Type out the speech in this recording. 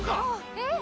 えっ。